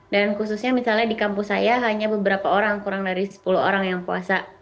khususnya misalnya di kampus saya hanya beberapa orang kurang dari sepuluh orang yang puasa